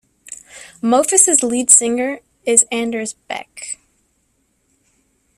Mofus' lead singer is Anders Bech.